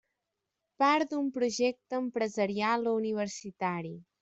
Part d'un projecte empresarial o universitari.